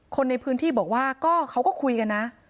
คนในพื้นที่บอกว่าก็เขาก็คุยกันนะ